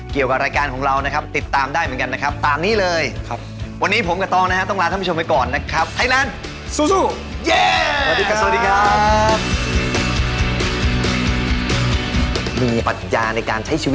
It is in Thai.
เกี่ยวกับรายการของเรานะครับติดตามได้เหมือนกันนะครับ